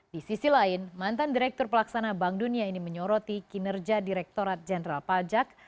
di sisi lain mantan direktur pelaksana bank dunia ini menyoroti kinerja direkturat jenderal pajak